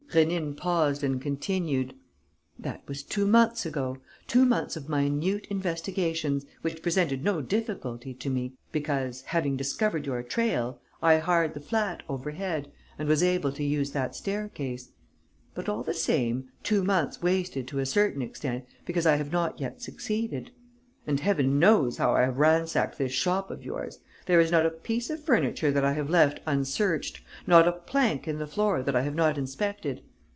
Rénine paused and continued: "That was two months ago, two months of minute investigations, which presented no difficulty to me, because, having discovered your trail, I hired the flat overhead and was able to use that staircase ... but, all the same, two months wasted to a certain extent because I have not yet succeeded. And Heaven knows how I have ransacked this shop of yours! There is not a piece of furniture that I have left unsearched, not a plank in the floor that I have not inspected.